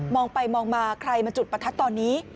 องไปมองมาใครมาจุดประทัดตอนนี้